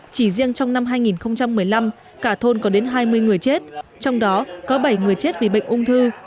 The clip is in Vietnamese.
chỉ riêng trong năm hai nghìn một mươi năm cả thôn có đến hai mươi người chết trong đó có bảy người chết vì bệnh ung thư